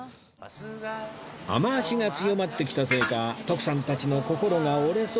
雨脚が強まってきたせいか徳さんたちの心が折れそうです